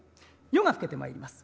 夜が更けてまいります。